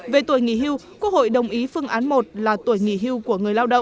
về tuổi nghỉ hưu quốc hội đồng ý phương án một là tuổi nghỉ hưu của người lao động